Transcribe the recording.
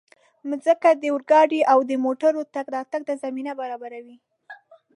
مځکه د اورګاډي او موټرو تګ راتګ ته زمینه برابروي.